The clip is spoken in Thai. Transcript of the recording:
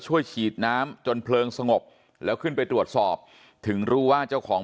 ช่วยฉีดน้ำจนเพลิงสงบแล้วขึ้นไปตรวจสอบถึงรู้ว่าเจ้าของ